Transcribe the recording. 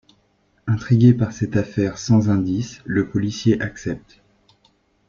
Intrigué par cette affaire sans indice, le policier accepte.